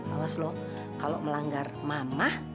awas loh kalau melanggar mama